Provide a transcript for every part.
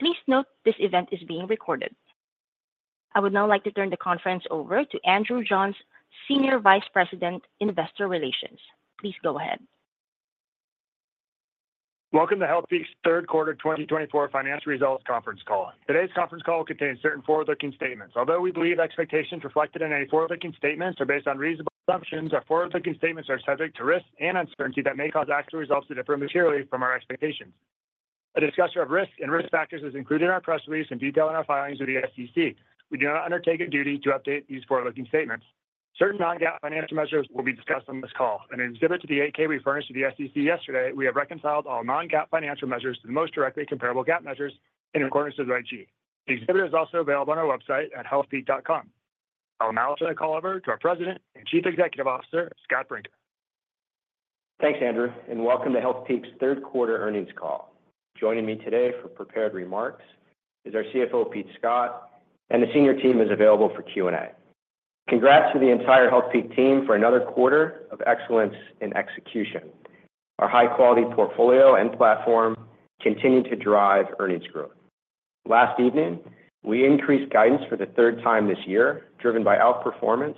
Please note this event is being recorded. I would now like to turn the conference over to Andrew Johns, Senior Vice President, Investor Relations. Please go ahead. Welcome to Healthpeak's third quarter twenty twenty-four financial results conference call. Today's conference call contains certain forward-looking statements. Although we believe expectations reflected in any forward-looking statements are based on reasonable assumptions, our forward-looking statements are subject to risks and uncertainty that may cause actual results to differ materially from our expectations. A discussion of risks and risk factors is included in our press release and detailed in our filings with the SEC. We do not undertake a duty to update these forward-looking statements. Certain non-GAAP financial measures will be discussed on this call. In an exhibit to the 8-K we furnished to the SEC yesterday, we have reconciled all non-GAAP financial measures to the most directly comparable GAAP measures in accordance with Reg. G. The exhibit is also available on our website at healthpeak.com. I'll now turn the call over to our President and Chief Executive Officer, Scott Brinker. Thanks, Andrew, and welcome to Healthpeak's third quarter earnings call. Joining me today for prepared remarks is our CFO, Pete Scott, and the senior team is available for Q&A. Congrats to the entire Healthpeak team for another quarter of excellence in execution. Our high-quality portfolio and platform continue to drive earnings growth. Last evening, we increased guidance for the third time this year, driven by outperformance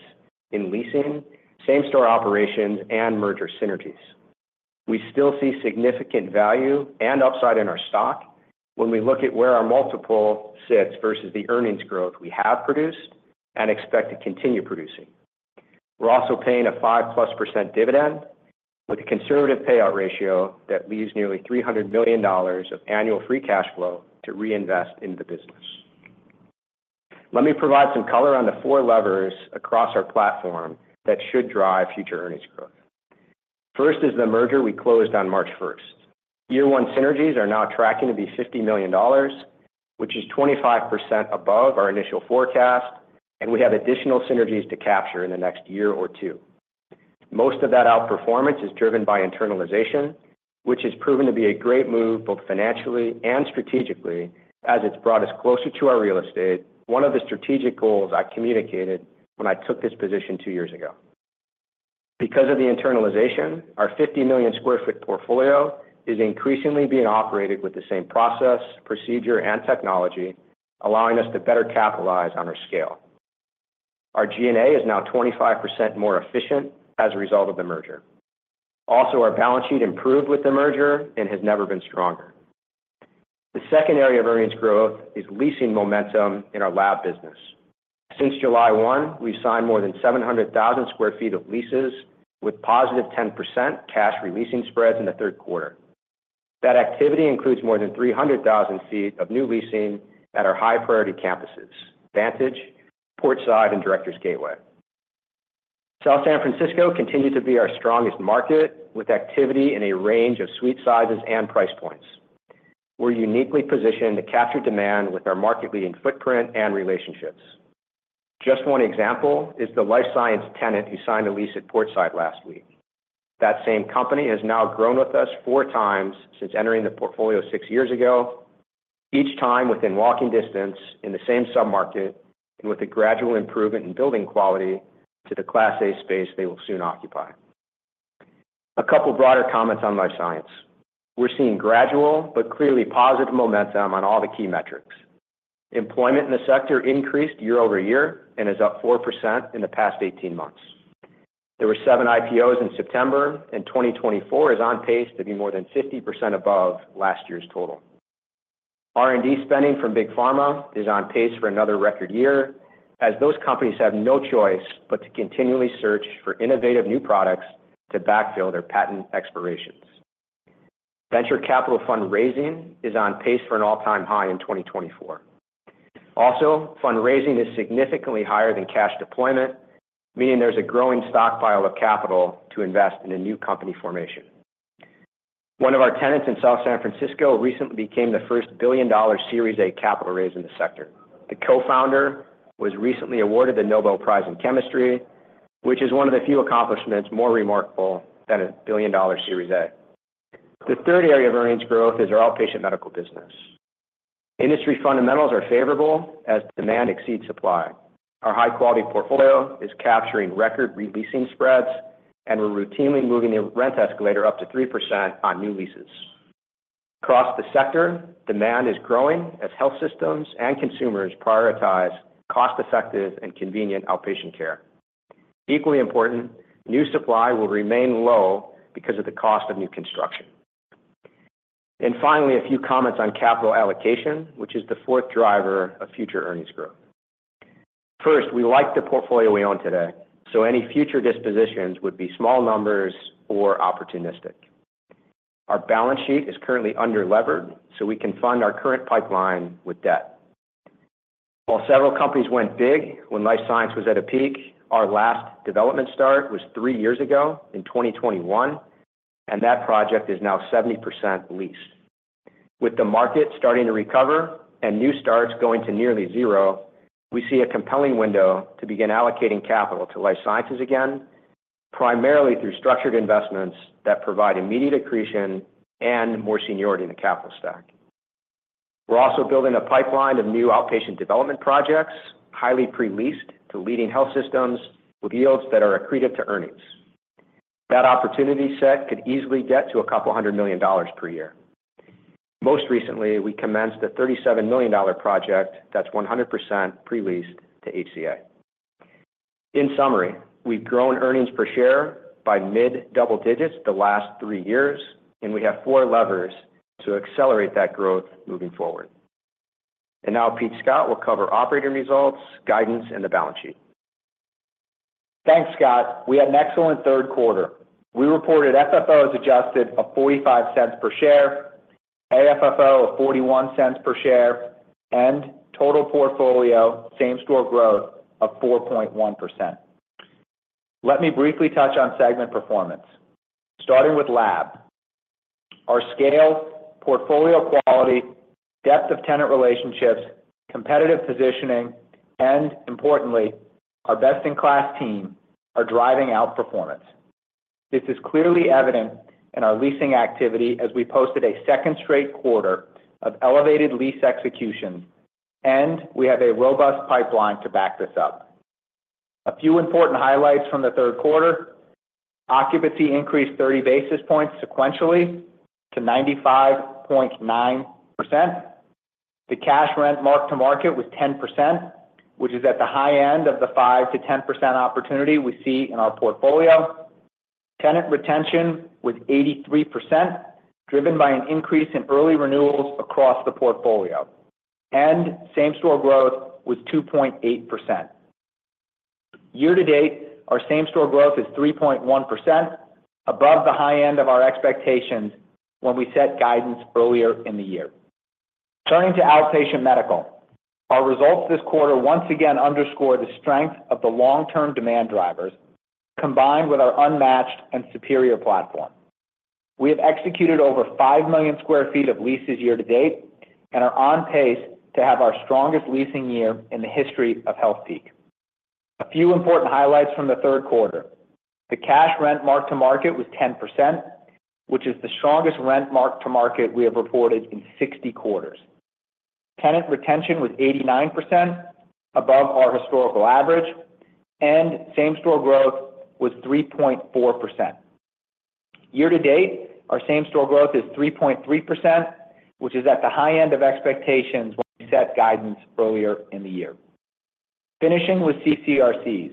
in leasing, same-store operations, and merger synergies. We still see significant value and upside in our stock when we look at where our multiple sits versus the earnings growth we have produced and expect to continue producing. We're also paying a 5-plus% dividend with a conservative payout ratio that leaves nearly $300 million of annual free cash flow to reinvest in the business. Let me provide some color on the four levers across our platform that should drive future earnings growth. First is the merger we closed on March first. Year one synergies are now tracking to be $50 million, which is 25% above our initial forecast, and we have additional synergies to capture in the next year or two. Most of that outperformance is driven by internalization, which has proven to be a great move, both financially and strategically, as it's brought us closer to our real estate, one of the strategic goals I communicated when I took this position two years ago. Because of the internalization, our 50 million sq ft portfolio is increasingly being operated with the same process, procedure, and technology, allowing us to better capitalize on our scale. Our G&A is now 25% more efficient as a result of the merger. Also, our balance sheet improved with the merger and has never been stronger. The second area of earnings growth is leasing momentum in our lab business. Since July 1, we've signed more than 700,000 sq ft of leases with positive 10% cash re-leasing spreads in the third quarter. That activity includes more than 300,000 sq ft of new leasing at our high priority campuses, Vantage, Portside, and Directors, Gateway. South San Francisco continues to be our strongest market, with activity in a range of suite sizes and price points. We're uniquely positioned to capture demand with our market-leading footprint and relationships. Just one example is the life science tenant who signed a lease at Portside last week. That same company has now grown with us four times since entering the portfolio six years ago, each time within walking distance in the same submarket and with a gradual improvement in building quality to the Class A space they will soon occupy. A couple broader comments on life science. We're seeing gradual but clearly positive momentum on all the key metrics. Employment in the sector increased year over year and is up 4% in the past eighteen months. There were seven IPOs in September, and 2024 is on pace to be more than 50% above last year's total. R&D spending from Big Pharma is on pace for another record year, as those companies have no choice but to continually search for innovative new products to backfill their patent expirations. Venture capital fundraising is on pace for an all-time high in 2024. Also, fundraising is significantly higher than cash deployment, meaning there's a growing stockpile of capital to invest in a new company formation. One of our tenants in South San Francisco recently became the first billion-dollar Series A capital raise in the sector. The co-founder was recently awarded the Nobel Prize in Chemistry, which is one of the few accomplishments more remarkable than a billion-dollar Series A. The third area of earnings growth is our outpatient medical business. Industry fundamentals are favorable as demand exceeds supply. Our high-quality portfolio is capturing record re-leasing spreads, and we're routinely moving the rent escalator up to 3% on new leases. Across the sector, demand is growing as health systems and consumers prioritize cost-effective and convenient outpatient care. Equally important, new supply will remain low because of the cost of new construction. Finally, a few comments on capital allocation, which is the fourth driver of future earnings growth. First, we like the portfolio we own today, so any future dispositions would be small numbers or opportunistic. Our balance sheet is currently underlevered, so we can fund our current pipeline with debt. While several companies went big when life science was at a peak, our last development start was three years ago in 2021, and that project is now 70% leased. With the market starting to recover and new starts going to nearly zero, we see a compelling window to begin allocating capital to life sciences again, primarily through structured investments that provide immediate accretion and more seniority in the capital stack. We're also building a pipeline of new outpatient development projects, highly pre-leased to leading health systems with yields that are accretive to earnings... That opportunity set could easily get to $200 million per year. Most recently, we commenced a $37 million project that's 100% pre-leased to HCA. In summary, we've grown earnings per share by mid-double digits the last three years, and we have four levers to accelerate that growth moving forward, and now Pete Scott will cover operating results, guidance, and the balance sheet. Thanks, Scott. We had an excellent third quarter. We reported FFO as adjusted of $0.45 per share, AFFO of $0.41 per share, and total portfolio same-store growth of 4.1%. Let me briefly touch on segment performance. Starting with lab, our scale, portfolio quality, depth of tenant relationships, competitive positioning, and importantly, our best-in-class team, are driving outperformance. This is clearly evident in our leasing activity, as we posted a second straight quarter of elevated lease execution, and we have a robust pipeline to back this up. A few important highlights from the third quarter. Occupancy increased 30 basis points sequentially to 95.9%. The cash rent mark-to-market was 10%, which is at the high end of the 5%-10% opportunity we see in our portfolio. Tenant retention was 83%, driven by an increase in early renewals across the portfolio, and same-store growth was 2.8%. Year to date, our same-store growth is 3.1%, above the high end of our expectations when we set guidance earlier in the year. Turning to outpatient medical, our results this quarter once again underscore the strength of the long-term demand drivers, combined with our unmatched and superior platform. We have executed over 5 million sq ft of leases year to date and are on pace to have our strongest leasing year in the history of Healthpeak. A few important highlights from the third quarter. The cash rent mark-to-market was 10%, which is the strongest rent mark-to-market we have reported in 60 quarters. Tenant retention was 89%, above our historical average, and same-store growth was 3.4%. Year to date, our same-store growth is 3.3%, which is at the high end of expectations when we set guidance earlier in the year. Finishing with CCRCs,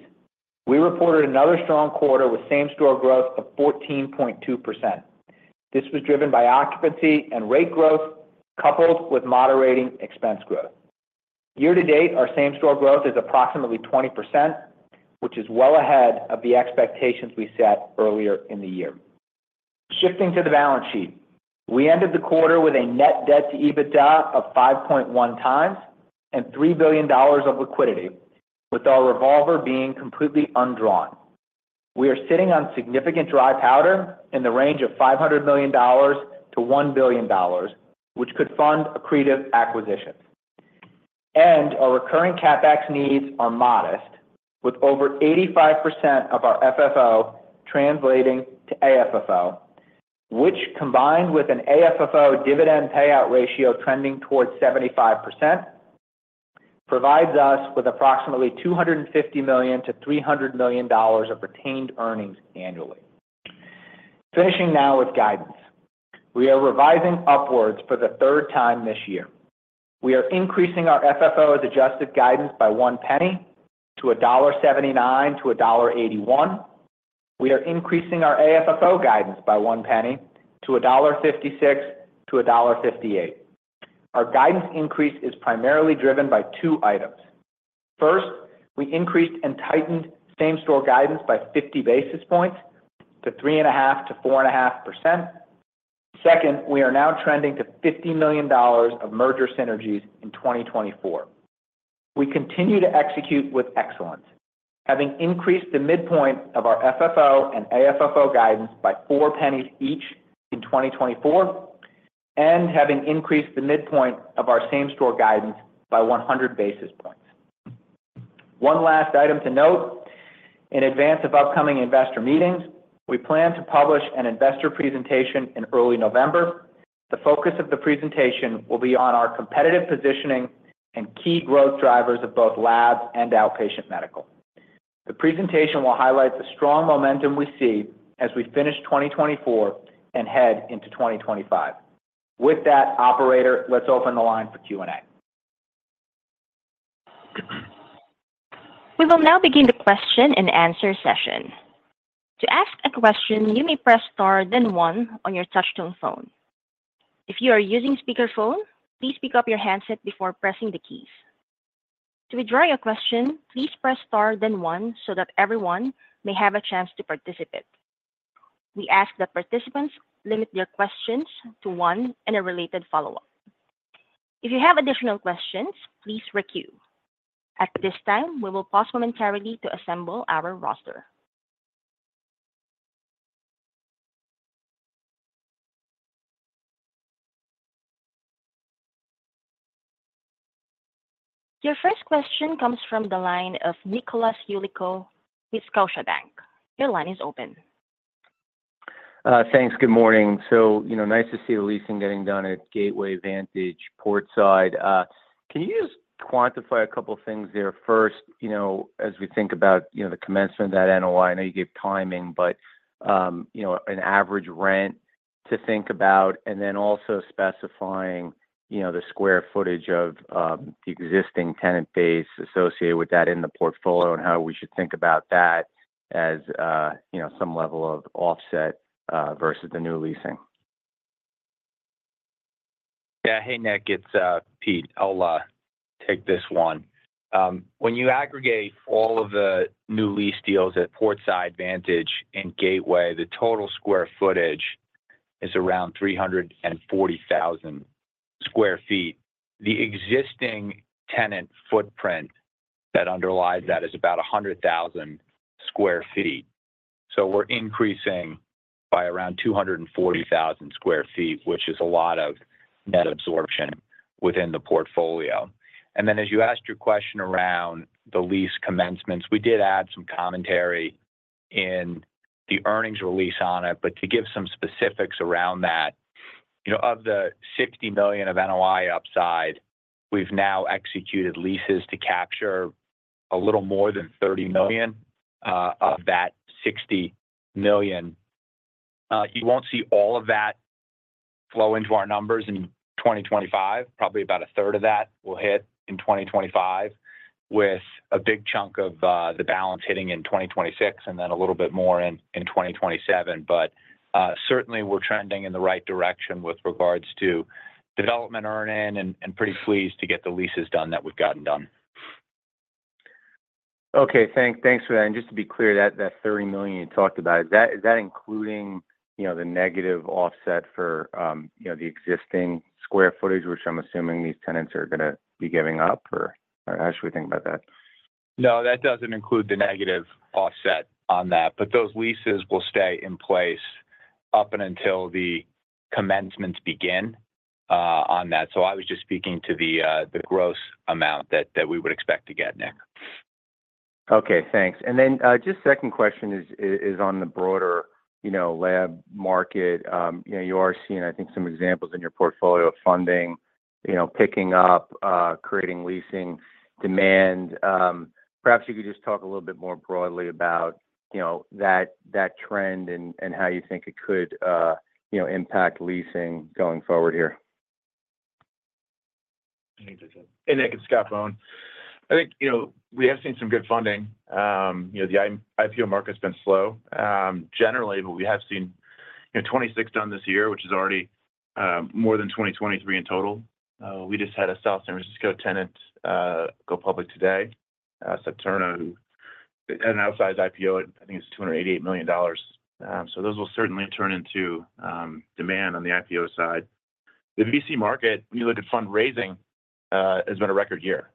we reported another strong quarter with same-store growth of 14.2%. This was driven by occupancy and rate growth, coupled with moderating expense growth. Year to date, our same-store growth is approximately 20%, which is well ahead of the expectations we set earlier in the year. Shifting to the balance sheet, we ended the quarter with a net debt to EBITDA of 5.1 times and $3 billion of liquidity, with our revolver being completely undrawn. We are sitting on significant dry powder in the range of $500 million to $1 billion, which could fund accretive acquisitions. And our recurring CapEx needs are modest, with over 85% of our FFO translating to AFFO, which, combined with an AFFO dividend payout ratio trending towards 75%, provides us with approximately $250 million-$300 million of retained earnings annually. Finishing now with guidance. We are revising upwards for the third time this year. We are increasing our FFO adjusted guidance by $0.01 to $1.79-$1.81. We are increasing our AFFO guidance by $0.01 to $1.56-$1.58. Our guidance increase is primarily driven by two items. First, we increased and tightened same-store guidance by 50 basis points to 3.5%-4.5%. Second, we are now trending to $50 million of merger synergies in 2024. We continue to execute with excellence, having increased the midpoint of our FFO and AFFO guidance by $0.04 each in 2024 and having increased the midpoint of our same-store guidance by one hundred basis points. One last item to note. In advance of upcoming investor meetings, we plan to publish an investor presentation in early November. The focus of the presentation will be on our competitive positioning and key growth drivers of both labs and outpatient medical. The presentation will highlight the strong momentum we see as we finish 2024 and head into 2025. With that, operator, let's open the line for Q&A. We will now begin the question-and-answer session. To ask a question, you may press star then one on your touchtone phone. If you are using speakerphone, please pick up your handset before pressing the keys. To withdraw your question, please press star then one so that everyone may have a chance to participate. We ask that participants limit their questions to one and a related follow-up. If you have additional questions, please requeue. At this time, we will pause momentarily to assemble our roster. Your first question comes from the line of Nick Yulico with Scotiabank. Your line is open. Thanks. Good morning. So, you know, nice to see the leasing getting done at Gateway, Vantage, Portside. Can you just quantify a couple things there? First, you know, as we think about, you know, the commencement of that NOI, I know you gave timing, but, you know, an average rent to think about, and then also specifying, you know, the square footage of the existing tenant base associated with that in the portfolio, and how we should think about that as, you know, some level of offset versus the new leasing. Yeah. Hey, Nick, it's Pete. I'll take this one. When you aggregate all of the new lease deals at Portside, Vantage, and Gateway, the total square footage is around 340,000 sq ft. The existing tenant footprint that underlies that is about 100,000 sq ft. So we're increasing by around 240,000 sq ft, which is a lot of net absorption within the portfolio. And then, as you asked your question around the lease commencements, we did add some commentary in the earnings release on it. But to give some specifics around that, you know, of the $60 million of NOI upside, we've now executed leases to capture a little more than $30 million of that $60 million. You won't see all of that flow into our numbers in 2025. Probably about a third of that will hit in twenty twenty-five, with a big chunk of the balance hitting in twenty twenty-six, and then a little bit more in twenty twenty-seven. But certainly we're trending in the right direction with regards to development earn in, and pretty pleased to get the leases done that we've gotten done. Okay. Thanks for that. And just to be clear, that thirty million you talked about, is that including, you know, the negative offset for, you know, the existing square footage, which I'm assuming these tenants are gonna be giving up? Or how should we think about that? No, that doesn't include the negative offset on that, but those leases will stay in place up and until the commencements begin, on that. So I was just speaking to the gross amount that we would expect to get, Nick. Okay, thanks. And then, just second question is on the broader, you know, lab market. You know, you are seeing, I think, some examples in your portfolio of funding, you know, picking up, creating leasing demand. Perhaps you could just talk a little bit more broadly about, you know, that, that trend and, and how you think it could, you know, impact leasing going forward here. Hey, Nick, it's Scott Bohn. I think, you know, we have seen some good funding. You know, the IPO market's been slow, generally, but we have seen, you know, 26 done this year, which is already more than 2023 in total. We just had a South San Francisco tenant go public today, Septerna, who had an outsized IPO. I think it's $288 million. So those will certainly turn into demand on the IPO side. The VC market, when you look at fundraising, has been a record year.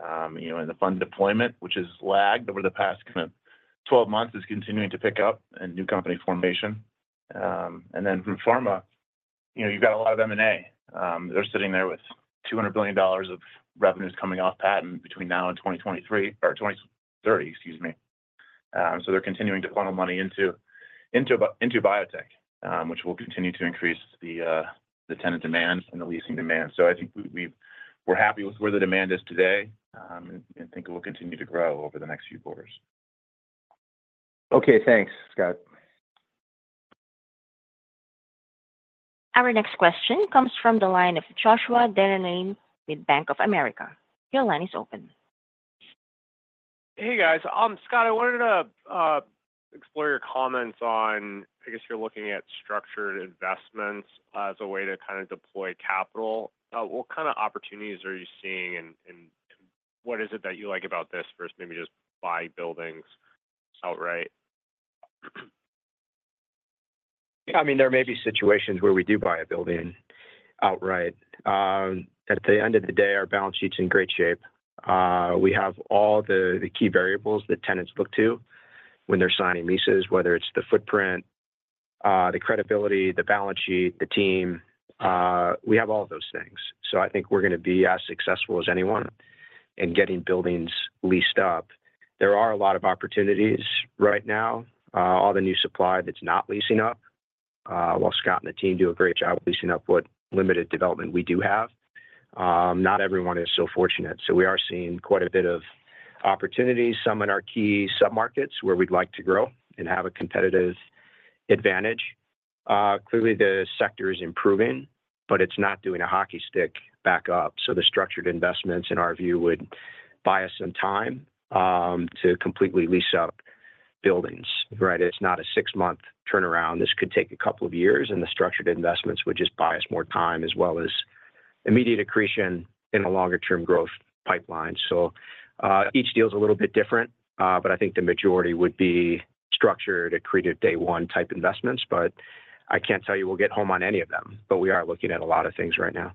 You know, and the fund deployment, which has lagged over the past kind of twelve months, is continuing to pick up and new company formation. And then from pharma, you know, you've got a lot of M&A. They're sitting there with $200 billion of revenues coming off patent between now and 2023 or 2030, excuse me. So they're continuing to funnel money into biotech, which will continue to increase the tenant demand and the leasing demand. So I think we're happy with where the demand is today, and think it will continue to grow over the next few quarters. Okay. Thanks, Scott. Our next question comes from the line of Joshua Dennerlein with Bank of America. Your line is open. Hey, guys. Scott, I wanted to explore your comments on, I guess, you're looking at structured investments as a way to kind of deploy capital. What kind of opportunities are you seeing, and what is it that you like about this versus maybe just buy buildings outright? Yeah, I mean, there may be situations where we do buy a building outright. At the end of the day, our balance sheet's in great shape. We have all the key variables that tenants look to when they're signing leases, whether it's the footprint, the credibility, the balance sheet, the team. We have all those things. So I think we're gonna be as successful as anyone in getting buildings leased up. There are a lot of opportunities right now. All the new supply that's not leasing up, while Scott and the team do a great job of leasing up what limited development we do have. Not everyone is so fortunate, so we are seeing quite a bit of opportunities, some in our key submarkets where we'd like to grow and have a competitive advantage. Clearly, the sector is improving, but it's not doing a hockey stick back up. So the structured investments, in our view, would buy us some time, to completely lease up buildings, right? It's not a six-month turnaround. This could take a couple of years, and the structured investments would just buy us more time, as well as immediate accretion in the longer term growth pipeline. So, each deal is a little bit different, but I think the majority would be structured accretive day one type investments. But I can't tell you we'll get home on any of them, but we are looking at a lot of things right now.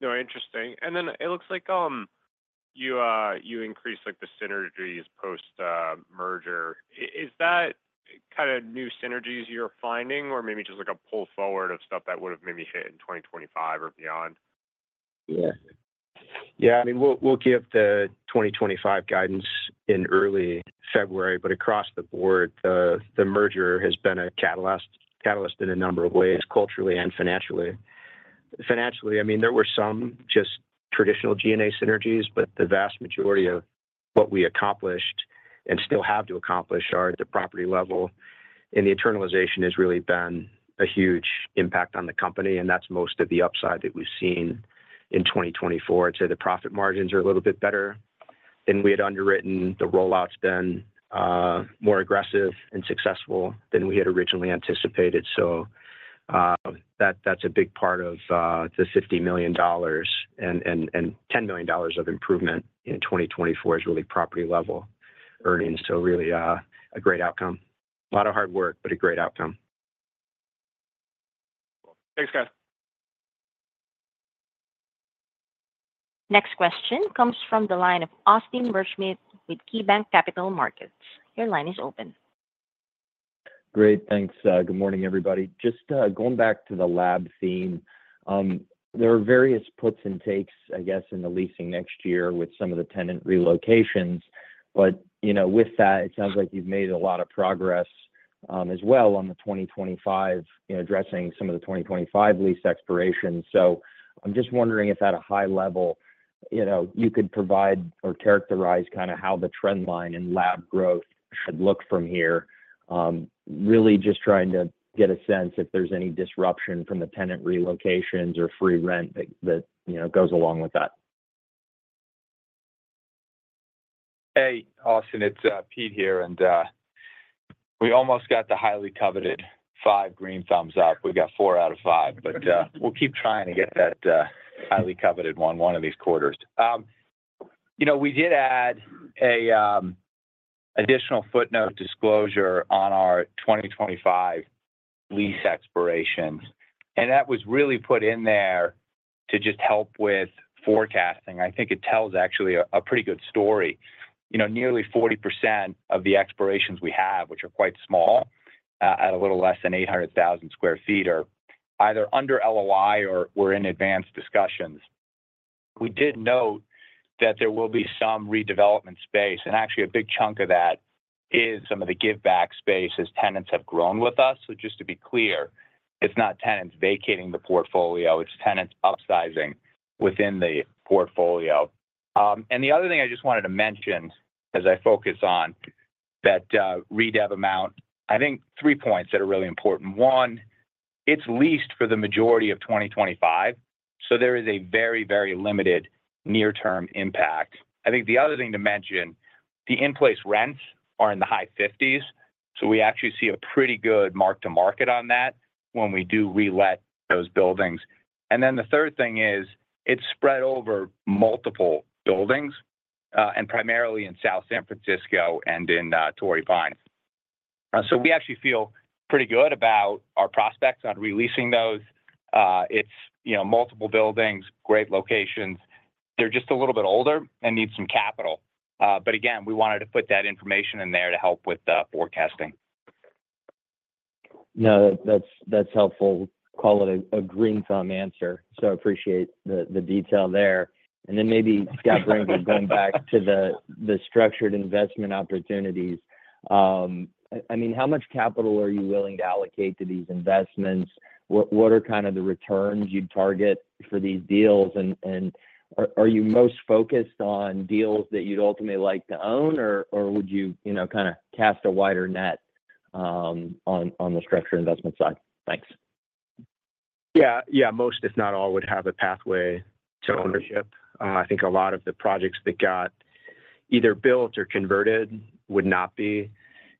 No, interesting. And then it looks like you increased, like, the synergies post merger. Is that kind of new synergies you're finding or maybe just like a pull forward of stuff that would've maybe hit in 2025 or beyond? Yes.... Yeah, I mean, we'll give the 2025 guidance in early February. But across the board, the merger has been a catalyst in a number of ways, culturally and financially. Financially, I mean, there were some just traditional G&A synergies, but the vast majority of what we accomplished and still have to accomplish are at the property level, and the internalization has really been a huge impact on the company, and that's most of the upside that we've seen in 2024. I'd say the profit margins are a little bit better than we had underwritten. The rollout's been more aggressive and successful than we had originally anticipated. So, that, that's a big part of the $50 million and $10 million of improvement in 2024 is really property level earnings. So really, a great outcome. A lot of hard work, but a great outcome. Thanks, guys. Next question comes from the line of Austin Wurschmidt with KeyBanc Capital Markets. Your line is open. Great, thanks. Good morning, everybody. Just going back to the lab theme, there are various puts and takes, I guess, in the leasing next year with some of the tenant relocations. But, you know, with that, it sounds like you've made a lot of progress, as well on the 2025, you know, addressing some of the 2025 lease expirations. So I'm just wondering if at a high level, you know, you could provide or characterize kind of how the trend line in lab growth should look from here. Really just trying to get a sense if there's any disruption from the tenant relocations or free rent that you know, goes along with that. Hey, Austin, it's Pete here, and we almost got the highly coveted five green thumbs up. We've got four out of five, but we'll keep trying to get that highly coveted one of these quarters. You know, we did add a additional footnote disclosure on our twenty twenty-five lease expirations, and that was really put in there to just help with forecasting. I think it tells actually a pretty good story. You know, nearly 40% of the expirations we have, which are quite small, at a little less than 800,000 sq ft, are either under LOI or we're in advanced discussions. We did note that there will be some redevelopment space, and actually big chunk of that is some of the give back space as tenants have grown with us. So just to be clear, it's not tenants vacating the portfolio, it's tenants upsizing within the portfolio. And the other thing I just wanted to mention, as I focus on that, redev amount, I think three points that are really important. One, it's leased for the majority of twenty twenty-five, so there is a very, very limited near-term impact. I think the other thing to mention, the in-place rents are in the high fifties, so we actually see a pretty good mark-to-market on that when we do relet those buildings. And then the third thing is, it's spread over multiple buildings, and primarily in South San Francisco and in Torrey Pines. So we actually feel pretty good about our prospects on releasing those. It's, you know, multiple buildings, great locations. They're just a little bit older and need some capital. But again, we wanted to put that information in there to help with the forecasting. No, that's helpful. Call it a green thumb answer, so appreciate the detail there. And then Scott Bohn, going back to the structured investment opportunities. I mean, how much capital are you willing to allocate to these investments? What are kind of the returns you'd target for these deals? And are you most focused on deals that you'd ultimately like to own, or would you, you know, kind of cast a wider net on the structured investment side? Thanks. Yeah. Yeah, most, if not all, would have a pathway to ownership. I think a lot of the projects that got either built or converted would not be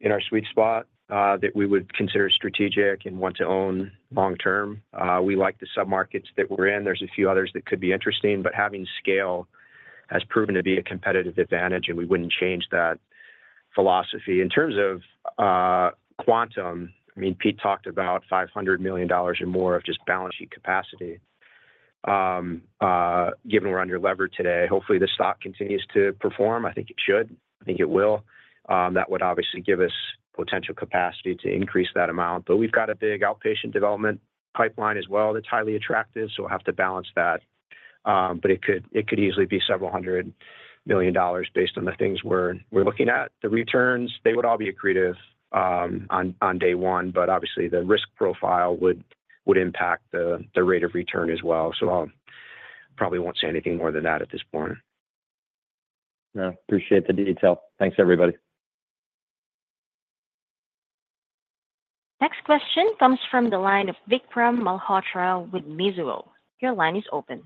in our sweet spot, that we would consider strategic and want to own long term. We like the submarkets that we're in. There's a few others that could be interesting, but having scale has proven to be a competitive advantage, and we wouldn't change that philosophy. In terms of, quantum, I mean, Pete talked about $500 million or more of just balance sheet capacity. Given we're under levered today, hopefully, the stock continues to perform. I think it should. I think it will. That would obviously give us potential capacity to increase that amount. But we've got a big outpatient development pipeline as well that's highly attractive, so we'll have to balance that. But it could easily be $several hundred million based on the things we're looking at. The returns, they would all be accretive on day one, but obviously, the risk profile would impact the rate of return as well. So I'll probably won't say anything more than that at this point. No, appreciate the detail. Thanks, everybody. Next question comes from the line of Vikram Malhotra with Mizuho. Your line is open.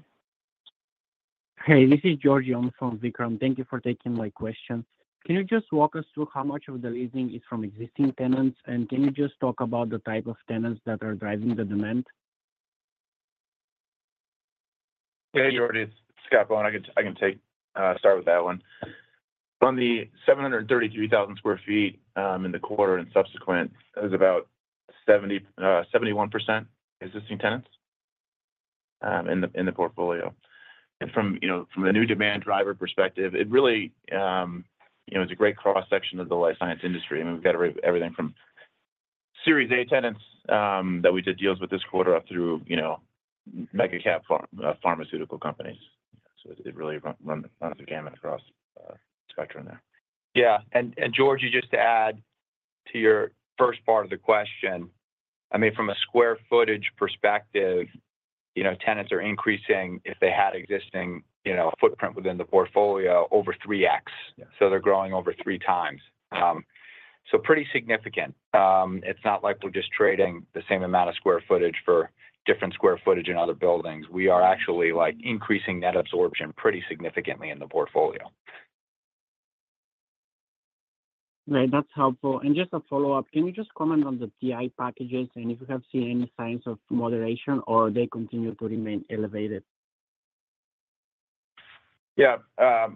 Hey, this is George Yong from Vikram. Thank you for taking my question. Can you just walk us through how much of the leasing is from existing tenants? And can you just talk about the type of tenants that are driving the demand? Hey, George, it's Scott Bohn. I can take start with that one. From the 733,000 sq ft in the quarter and subsequent, it was about 71% existing tenants in the portfolio. And from, you know, from the new demand driver perspective, it really, you know, it's a great cross-section of the life science industry. I mean, we've got everything from Series A tenants that we did deals with this quarter up through, you know, mega cap pharm pharmaceutical companies. So it really runs the gamut across spectrum there. Yeah, and George, just to add to your first part of the question, I mean, from a square footage perspective, you know, tenants are increasing if they had existing, you know, footprint within the portfolio over three X. Yeah. They're growing over three times. It's pretty significant. It's not like we're just trading the same amount of square footage for different square footage in other buildings. We are actually, like, increasing net absorption pretty significantly in the portfolio. Great, that's helpful. And just a follow-up, can you just comment on the TI packages, and if you have seen any signs of moderation or they continue to remain elevated? Yeah, I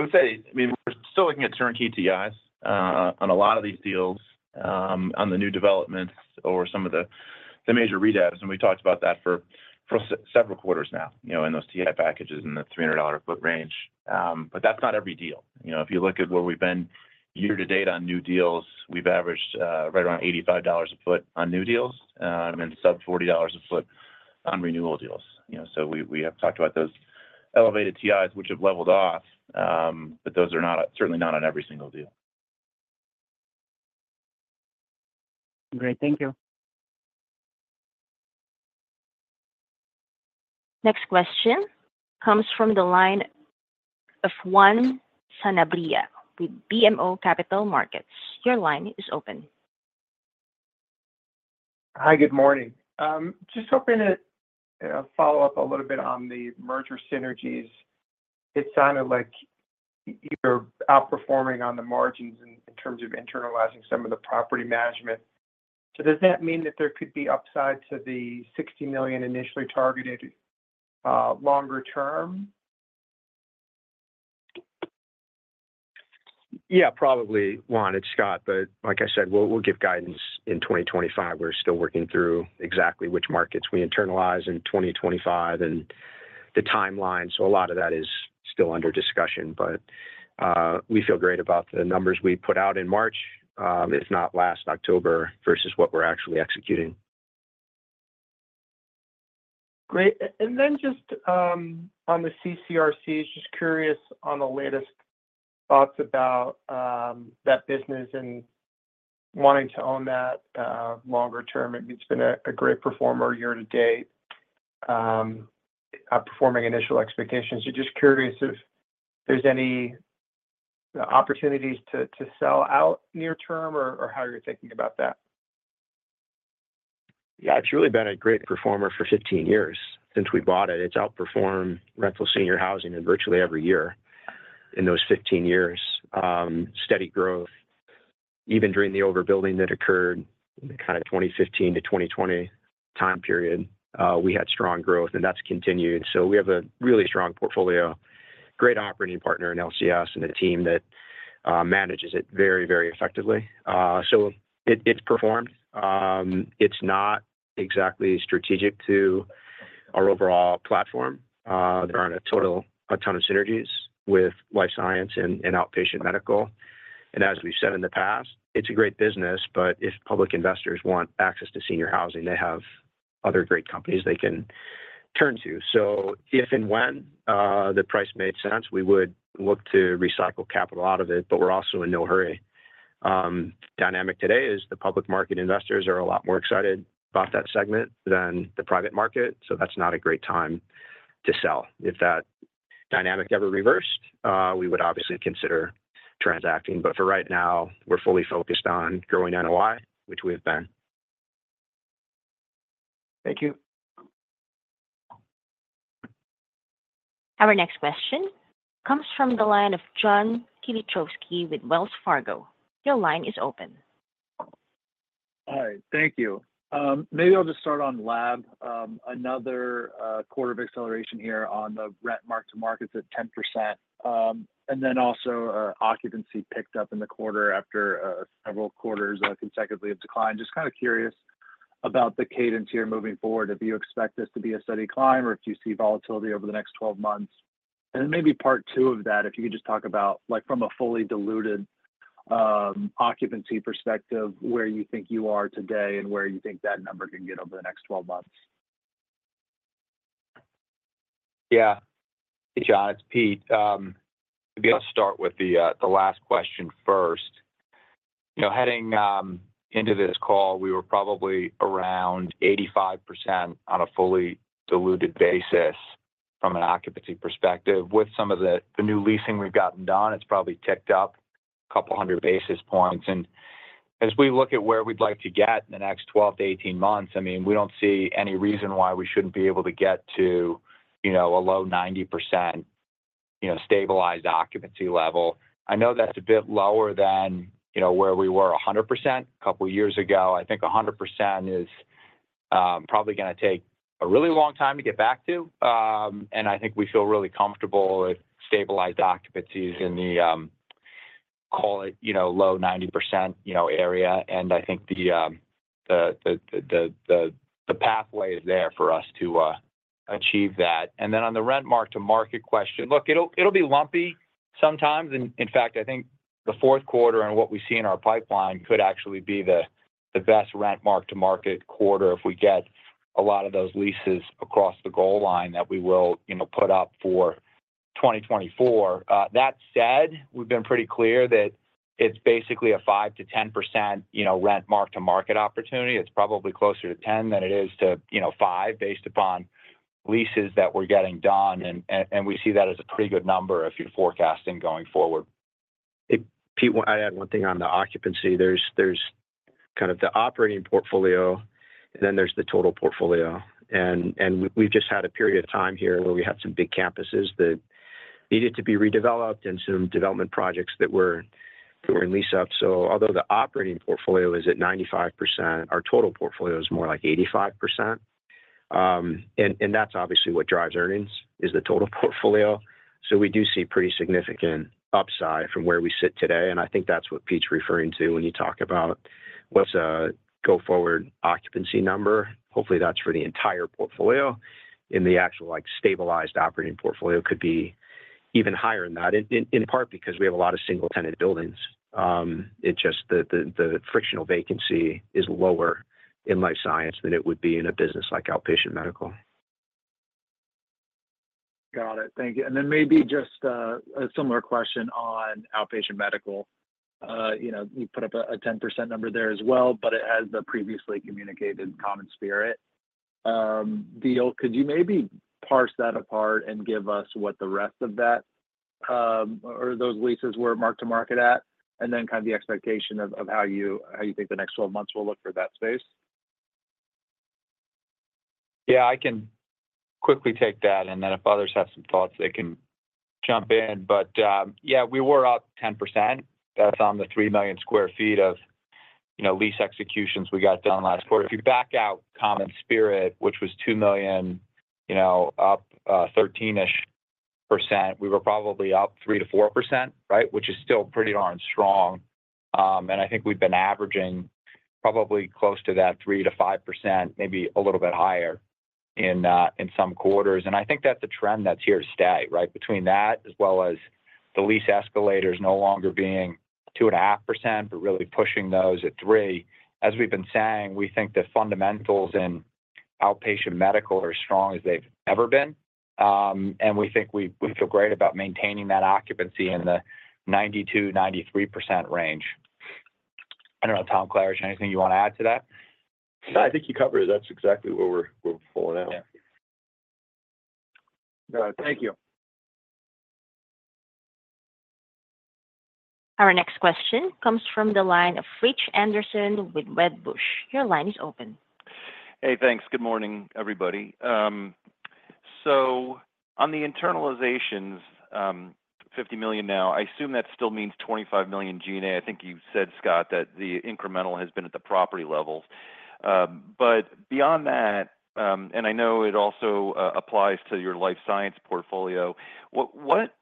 would say, I mean, we're still looking at current TIs on a lot of these deals, on the new developments or some of the major redevs, and we talked about that for several quarters now, you know, in those TI packages in the $300 a foot range. But that's not every deal. You know, if you look at where we've been year to date on new deals, we've averaged right around $85 a foot on new deals, and then sub-$40 a foot on renewal deals. You know, so we have talked about those elevated TIs, which have leveled off, but those are not certainly not on every single deal. Great. Thank you. Next question comes from the line of Juan Sanabria with BMO Capital Markets. Your line is open. Hi, good morning. Just hoping to follow up a little bit on the merger synergies. It sounded like you're outperforming on the margins in terms of internalizing some of the property management. So does that mean that there could be upside to the $60 million initially targeted longer term? Yeah, probably, Juan, it's Scott. But like I said, we'll give guidance in 2025. We're still working through exactly which markets we internalize in 2025 and the timeline, so a lot of that is still under discussion. But we feel great about the numbers we put out in March, if not last October, versus what we're actually executing. Great. And then just on the CCRC, just curious on the latest thoughts about that business and wanting to own that longer term. It's been a great performer year to date, outperforming initial expectations. So just curious if there's any opportunities to sell out near term or how you're thinking about that. Yeah, it's really been a great performer for fifteen years, since we bought it. It's outperformed rental senior housing in virtually every year in those fifteen years. Steady growth, even during the overbuilding that occurred in the kind of 2015 to 2020 time period, we had strong growth, and that's continued. So we have a really strong portfolio, great operating partner in LCS and a team that manages it very, very effectively. So it, it's performed. It's not exactly strategic to our overall platform. There aren't a ton of synergies with life science and outpatient medical. And as we've said in the past, it's a great business, but if public investors want access to senior housing, they have other great companies they can turn to. So if and when the price made sense, we would look to recycle capital out of it, but we're also in no hurry. Dynamic today is the public market investors are a lot more excited about that segment than the private market, so that's not a great time to sell. If that dynamic ever reversed, we would obviously consider transacting, but for right now, we're fully focused on growing NOI, which we have been. Thank you. Our next question comes from the line of John Kilichowski with Wells Fargo. Your line is open. Hi, thank you. Maybe I'll just start on lab. Another quarter of acceleration here on the rent mark-to-market at 10%. And then also, occupancy picked up in the quarter after several quarters consecutively of decline. Just kind of curious about the cadence here moving forward. If you expect this to be a steady climb, or if you see volatility over the next 12 months? And then maybe part two of that, if you could just talk about, like from a fully diluted occupancy perspective, where you think you are today and where you think that number can get over the next 12 months. Yeah. Hey, John, it's Pete. Maybe I'll start with the last question first. You know, heading into this call, we were probably around 85% on a fully diluted basis from an occupancy perspective. With some of the new leasing we've gotten done, it's probably ticked up a couple hundred basis points. And as we look at where we'd like to get in the next 12 to 18 months, I mean, we don't see any reason why we shouldn't be able to get to, you know, a low 90%, you know, stabilized occupancy level. I know that's a bit lower than, you know, where we were 100% couple years ago. I think 100% is probably gonna take a really long time to get back to. And I think we feel really comfortable with stabilized occupancies in the, call it, you know, low 90%, you know, area. And I think the pathway is there for us to achieve that. And then on the rent mark-to-market question, look, it'll be lumpy sometimes, and in fact, I think the fourth quarter and what we see in our pipeline could actually be the best rent mark-to-market quarter if we get a lot of those leases across the goal line that we will, you know, put up for 2024. That said, we've been pretty clear that it's basically a 5%-10%, you know, rent mark-to-market opportunity. It's probably closer to 10 than it is to, you know, five, based upon leases that we're getting done, and we see that as a pretty good number if you're forecasting going forward. If, Pete, well, I'd add one thing on the occupancy. There's kind of the operating portfolio, and then there's the total portfolio. And we've just had a period of time here where we have some big campuses that needed to be redeveloped and some development projects that were in lease up. So although the operating portfolio is at 95%, our total portfolio is more like 85%. And that's obviously what drives earnings, is the total portfolio. So we do see pretty significant upside from where we sit today, and I think that's what Pete's referring to when you talk about what's a go-forward occupancy number. Hopefully, that's for the entire portfolio, and the actual, like, stabilized operating portfolio could be even higher than that, in part because we have a lot of single-tenant buildings. It's just the frictional vacancy is lower in life science than it would be in a business like outpatient medical. Got it. Thank you. And then maybe just a similar question on outpatient medical. You know, you put up a 10% number there as well, but it has the previously communicated CommonSpirit deal. Could you maybe parse that apart and give us what the rest of that or those leases were mark-to-market at? And then kind of the expectation of how you think the next 12 months will look for that space. Yeah, I can quickly take that, and then if others have some thoughts, they can jump in. But, yeah, we were up 10%. That's on the 3 million sq ft of, you know, lease executions we got done last quarter. If you back out CommonSpirit, which was 2 million, you know, up, thirteen-ish percent, we were probably up 3% to 4%, right? Which is still pretty darn strong. And I think we've been averaging probably close to that 3% to 5%, maybe a little bit higher in, in some quarters. And I think that's a trend that's here to stay, right? Between that, as well as the lease escalators no longer being 2.5%, but really pushing those at 3%. As we've been saying, we think the fundamentals in outpatient medical are as strong as they've ever been. and we think we feel great about maintaining that occupancy in the 92%-93% range. I don't know, Tom Klaritch, anything you want to add to that? I think you covered it. That's exactly what we're pulling out. Yeah. Got it. Thank you. Our next question comes from the line of Rich Anderson with Wedbush. Your line is open. Hey, thanks. Good morning, everybody. So on the internalizations, 50 million now, I assume that still means 25 million G&A. I think you said, Scott, that the incremental has been at the property levels. But beyond that, and I know it also applies to your life science portfolio, what, what.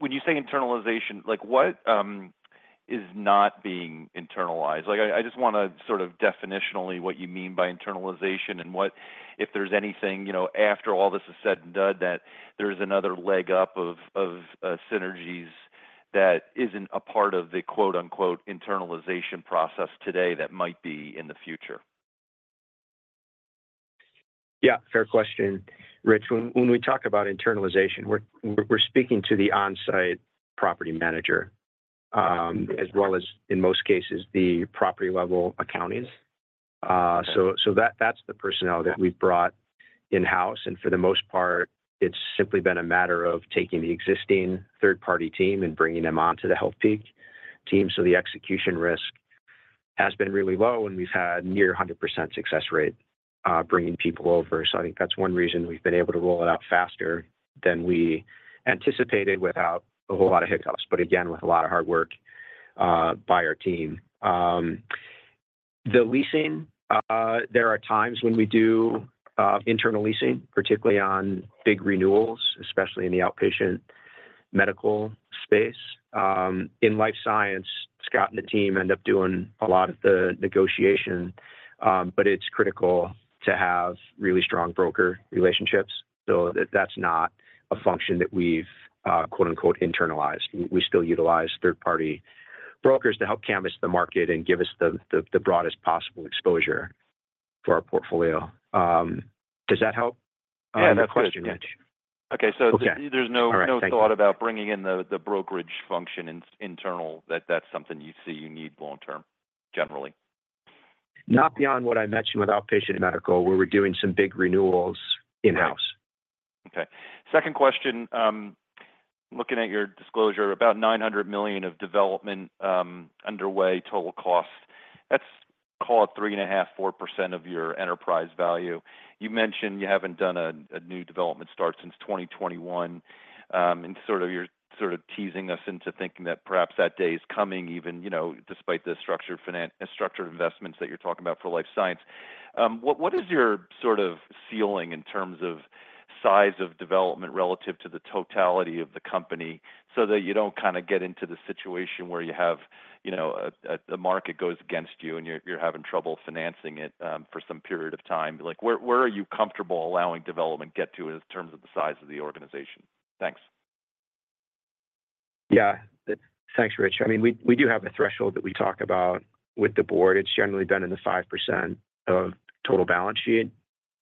When you say internalization, like, what is not being internalized? Like, I just wanna sort of definitionally what you mean by internalization and what, if there's anything, you know, after all this is said and done, that there's another leg up of synergies that isn't a part of the quote-unquote internalization process today that might be in the future. Yeah, fair question, Rich. When we talk about internalization, we're speaking to the on-site property manager, as well as, in most cases, the property-level accountants. So that's the personnel that we've brought in-house, and for the most part, it's simply been a matter of taking the existing third-party team and bringing them onto the Healthpeak team. So the execution risk has been really low, and we've had near 100% success rate, bringing people over. So I think that's one reason we've been able to roll it out faster than we anticipated without a whole lot of hiccups, but again, with a lot of hard work, by our team. The leasing, there are times when we do internal leasing, particularly on big renewals, especially in the outpatient medical space. In life science, Scott and the team end up doing a lot of the negotiation, but it's critical to have really strong broker relationships. So that's not a function that we've quote-unquote "internalized." We still utilize third-party brokers to help canvas the market and give us the broadest possible exposure for our portfolio. Does that help- Yeah... answer the question, Rich? Okay. So- Okay... there's no- All right, thank you.... no thought about bringing in the brokerage function internal, that's something you see you need long term, generally? Not beyond what I mentioned with outpatient medical, where we're doing some big renewals in-house. Okay. Second question, looking at your disclosure, about $900 million of development underway, total cost, let's call it 3.5%-4% of your enterprise value. You mentioned you haven't done a new development start since 2021, and sort of, you're sort of teasing us into thinking that perhaps that day is coming, even, you know, despite the structured investments that you're talking about for life science. What is your sort of ceiling in terms of size of development relative to the totality of the company, so that you don't kind of get into the situation where you have, you know, the market goes against you, and you're having trouble financing it, for some period of time. Like, where are you comfortable allowing development get to in terms of the size of the organization? Thanks. Yeah. Thanks, Rich. I mean, we do have a threshold that we talk about with the board. It's generally been in the 5% of total balance sheet,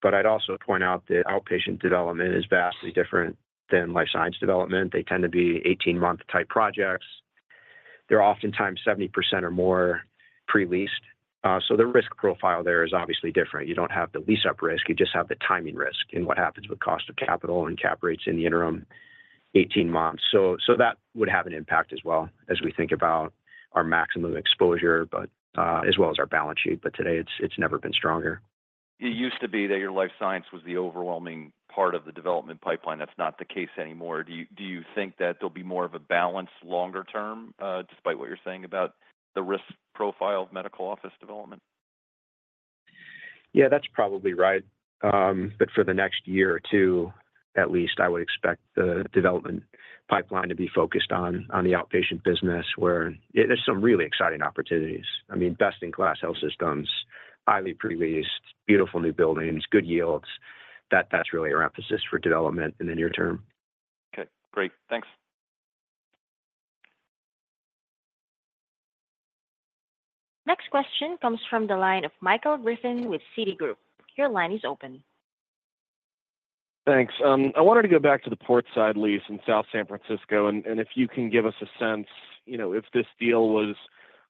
but I'd also point out that outpatient development is vastly different than life science development. They tend to be eighteen-month type projects. They're oftentimes 70% or more pre-leased. So the risk profile there is obviously different. You don't have the lease-up risk, you just have the timing risk and what happens with cost of capital and cap rates in the interim eighteen months. So that would have an impact as well as we think about our maximum exposure, but as well as our balance sheet. But today, it's never been stronger. It used to be that your life science was the overwhelming part of the development pipeline. That's not the case anymore. Do you, do you think that there'll be more of a balance longer term, despite what you're saying about the risk profile of medical office development? Yeah, that's probably right. But for the next year or two, at least, I would expect the development pipeline to be focused on the outpatient business, where there's some really exciting opportunities. I mean, best-in-class health systems, highly pre-leased, beautiful new buildings, good yields. That's really our emphasis for development in the near term. Okay, great. Thanks. Next question comes from the line of Michael Griffin with Citigroup. Your line is open. Thanks. I wanted to go back to the Portside lease in South San Francisco, and if you can give us a sense, you know, if this deal was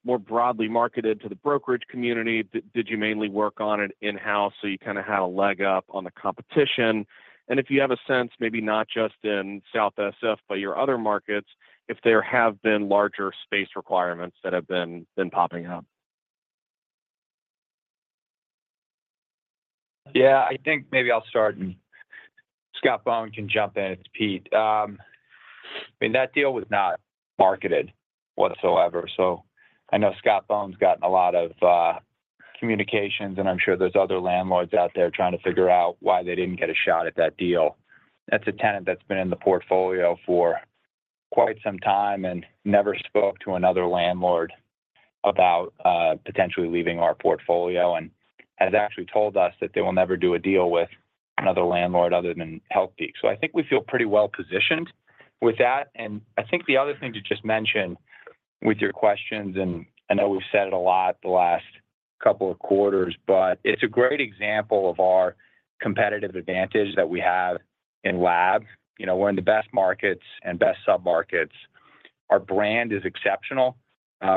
more broadly marketed to the brokerage community, did you mainly work on it in-house, so you kind of had a leg up on the competition? And if you have a sense, maybe not just in South SF, but your other markets, if there have been larger space requirements that have been popping up. Yeah, I think maybe I'll start, and Scott Bohn can jump in. It's Pete. I mean, that deal was not marketed whatsoever. So I know Scott Bohn's gotten a lot of communications, and I'm sure there's other landlords out there trying to figure out why they didn't get a shot at that deal. That's a tenant that's been in the portfolio for quite some time and never spoke to another landlord about potentially leaving our portfolio and has actually told us that they will never do a deal with another landlord other than Healthpeak. So I think we feel pretty well positioned with that. I think the other thing to just mention with your questions, and I know we've said it a lot the last couple of quarters, but it's a great example of our competitive advantage that we have in lab. You know, we're in the best markets and best submarkets. Our brand is exceptional.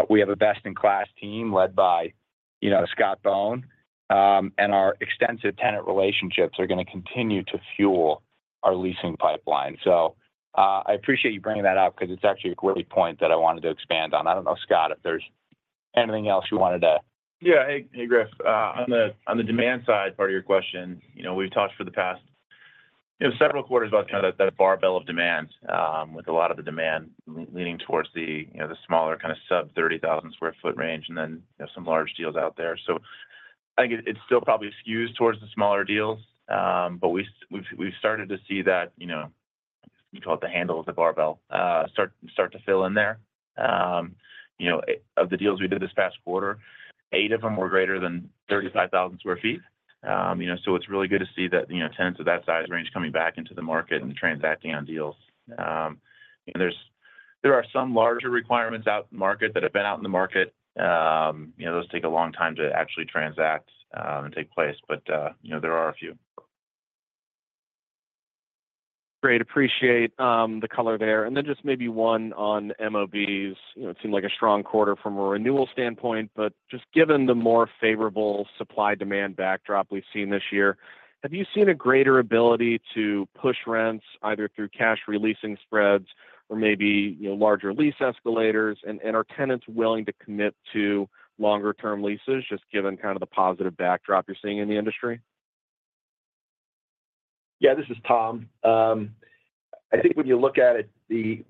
We have a best-in-class team led by, you know, Scott Bohn, and our extensive tenant relationships are gonna continue to fuel our leasing pipeline. So, I appreciate you bringing that up because it's actually a great point that I wanted to expand on. I don't know, Scott, if there's anything else you wanted to- Yeah. Hey, hey, Griff. On the demand side, part of your question, you know, we've talked for the past, you know, several quarters about kind of that barbell of demand, with a lot of the demand leaning towards the, you know, the smaller kind of sub-30,000 sq ft range and then, you know, some large deals out there. So I think it's still probably skews towards the smaller deals, but we've started to see that, you know, you call it the handle of the barbell, start to fill in there. You know, of the deals we did this past quarter, eight of them were greater than 35,000 sq ft. You know, so it's really good to see that, you know, tenants of that size range coming back into the market and transacting on deals, and there are some larger requirements out in the market that have been out in the market. You know, those take a long time to actually transact and take place, but, you know, there are a few. Great. Appreciate the color there. And then just maybe one on MOBs. You know, it seemed like a strong quarter from a renewal standpoint, but just given the more favorable supply-demand backdrop we've seen this year, have you seen a greater ability to push rents either through cash re-leasing spreads or maybe, you know, larger lease escalators? And are tenants willing to commit to longer-term leases, just given kind of the positive backdrop you're seeing in the industry? Yeah, this is Tom. I think when you look at it, we've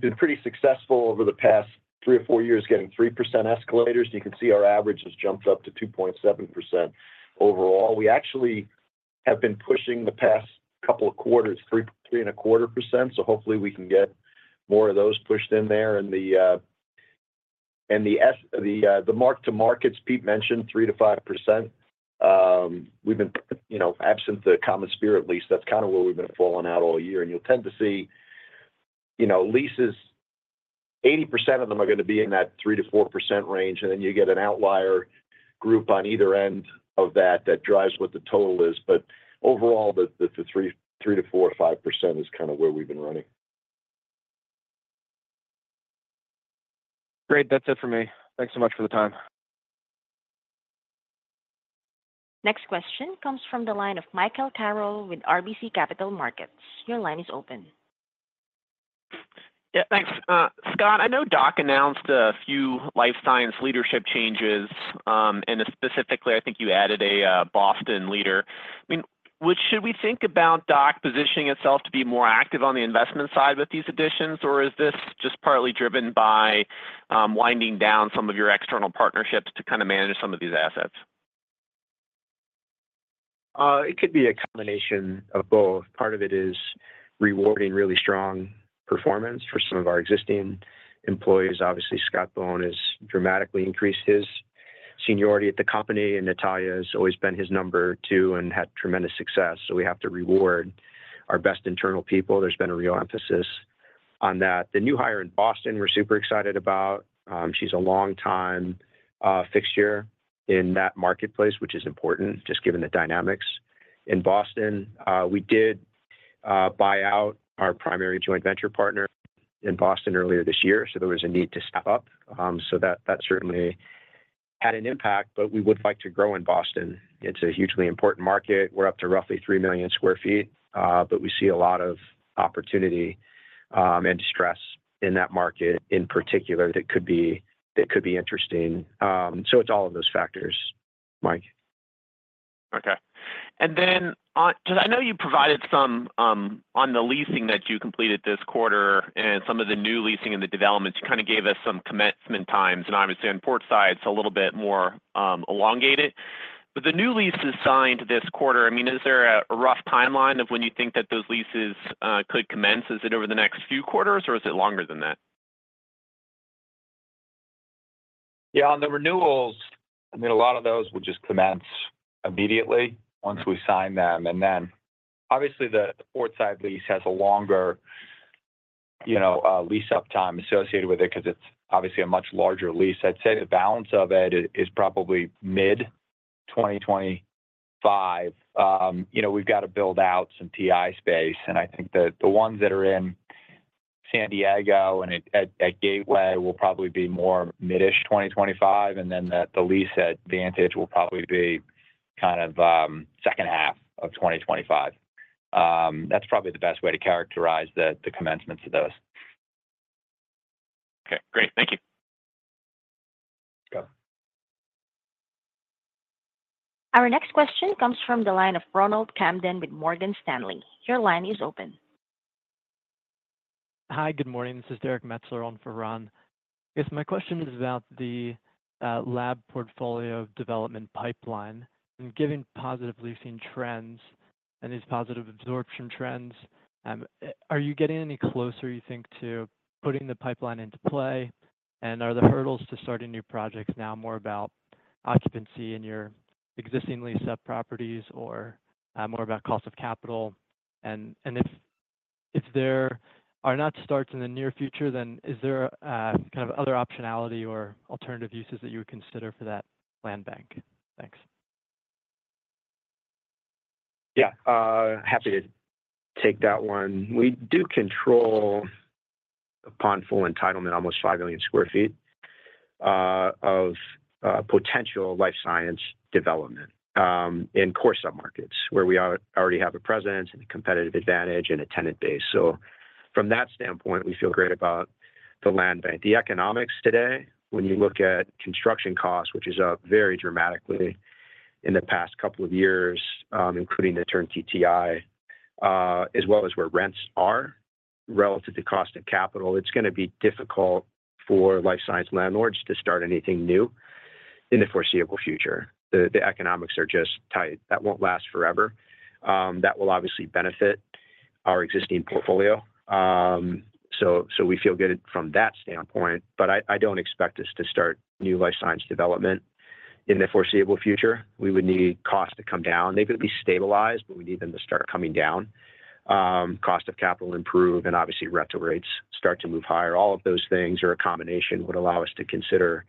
been pretty successful over the past three or four years, getting 3% escalators. You can see our average has jumped up to 2.7% overall. We actually have been pushing the past couple of quarters, 3.25%, so hopefully, we can get more of those pushed in there. And the mark-to-markets, Pete mentioned 3%-5%. We've been, you know, absent the CommonSpirit lease, that's kind of where we've been falling out all year. And you'll tend to see, you know, leases, 80% of them are gonna be in that 3%-4% range, and then you get an outlier group on either end of that that drives what the total is. But overall, the 3% to 4% to 5% is kind of where we've been running. Great. That's it for me. Thanks so much for the time. Next question comes from the line of Michael Carroll with RBC Capital Markets. Your line is open. Yeah, thanks. Scott, I know DOC announced a few life science leadership changes, and specifically, I think you added a Boston leader. I mean, which should we think about DOC positioning itself to be more active on the investment side with these additions, or is this just partly driven by winding down some of your external partnerships to kind of manage some of these assets? ... It could be a combination of both. Part of it is rewarding really strong performance for some of our existing employees. Obviously, Scott Bohn has dramatically increased his seniority at the company, and Natalia has always been his number two and had tremendous success, so we have to reward our best internal people. There's been a real emphasis on that. The new hire in Boston, we're super excited about. She's a long-time fixture in that marketplace, which is important, just given the dynamics in Boston. We did buy out our primary joint venture partner in Boston earlier this year, so there was a need to step up. So that certainly had an impact, but we would like to grow in Boston. It's a hugely important market. We're up to roughly three million sq ft, but we see a lot of opportunity and distress in that market in particular that could be interesting, so it's all of those factors, Mike. Okay. And then, because I know you provided some on the leasing that you completed this quarter and some of the new leasing and the developments, you kind of gave us some commencement times, and obviously, on Portside, it's a little bit more elongated. But the new leases signed this quarter, I mean, is there a rough timeline of when you think that those leases could commence? Is it over the next few quarters, or is it longer than that? Yeah, on the renewals, I mean, a lot of those will just commence immediately once we sign them. And then, obviously, the Portside lease has a longer, you know, lease-up time associated with it because it's obviously a much larger lease. I'd say the balance of it is probably mid-twenty twenty-five. You know, we've got to build out some TI space, and I think that the ones that are in San Diego and at Gateway will probably be more mid-ish twenty twenty-five, and then the lease at Vantage will probably be kind of second half of twenty twenty-five. That's probably the best way to characterize the commencements of those. Okay, great. Thank you. Yeah. Our next question comes from the line of Ronald Kamdem with Morgan Stanley. Your line is open. Hi, good morning. This is Derrick Metzler on for Ron. I guess my question is about the lab portfolio development pipeline. And given positive leasing trends and these positive absorption trends, are you getting any closer, you think, to putting the pipeline into play? And are the hurdles to starting new projects now more about occupancy in your existing leased up properties or more about cost of capital? And if there are not starts in the near future, then is there kind of other optionality or alternative uses that you would consider for that land bank? Thanks. Yeah, happy to take that one. We do control, upon full entitlement, almost five million sq ft of potential life science development in core submarkets where we already have a presence and a competitive advantage and a tenant base. So from that standpoint, we feel great about the land bank. The economics today, when you look at construction costs, which is up very dramatically in the past couple of years, including the turnkey TI, as well as where rents are relative to cost of capital, it's gonna be difficult for life science landlords to start anything new in the foreseeable future. The economics are just tight. That won't last forever. That will obviously benefit our existing portfolio. So, so we feel good from that standpoint, but I don't expect us to start new life science development in the foreseeable future. We would need costs to come down. They could be stabilized, but we need them to start coming down. Cost of capital improve, and obviously, rental rates start to move higher. All of those things or a combination would allow us to consider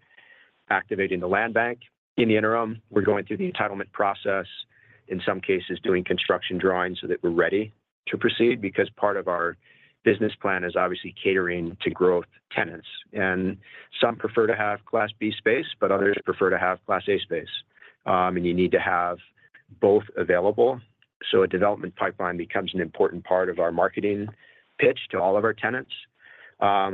activating the land bank. In the interim, we're going through the entitlement process, in some cases, doing construction drawings so that we're ready to proceed, because part of our business plan is obviously catering to growth tenants. And some prefer to have Class B space, but others prefer to have Class A space, and you need to have both available. So a development pipeline becomes an important part of our marketing pitch to all of our tenants,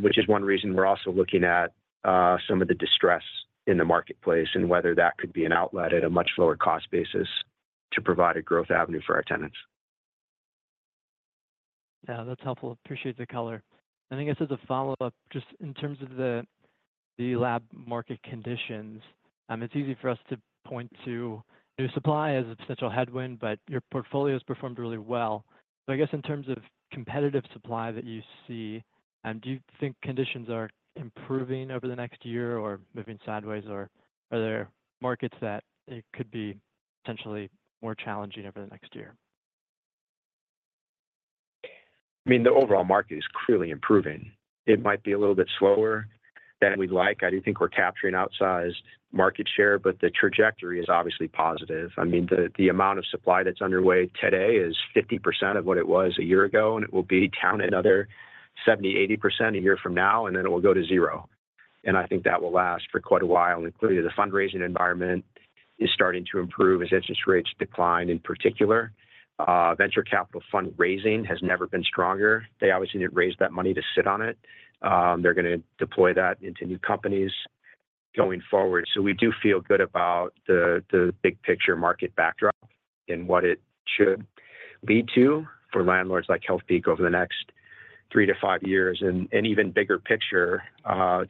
which is one reason we're also looking at some of the distress in the marketplace and whether that could be an outlet at a much lower cost basis to provide a growth avenue for our tenants. Yeah, that's helpful. Appreciate the color. And I guess as a follow-up, just in terms of the lab market conditions, it's easy for us to point to new supply as a potential headwind, but your portfolio has performed really well. So I guess in terms of competitive supply that you see, do you think conditions are improving over the next year or moving sideways, or are there markets that it could be potentially more challenging over the next year? I mean, the overall market is clearly improving. It might be a little bit slower than we'd like. I do think we're capturing outsized market share, but the trajectory is obviously positive. I mean, the amount of supply that's underway today is 50% of what it was a year ago, and it will be down another 70%-80% a year from now, and then it will go to zero, and I think that will last for quite a while, and clearly, the fundraising environment is starting to improve as interest rates decline. In particular, venture capital fundraising has never been stronger. They obviously didn't raise that money to sit on it. They're gonna deploy that into new companies going forward. So we do feel good about the big picture market backdrop and what it should lead to for landlords like Healthpeak over the next-... three to five years, and even bigger picture,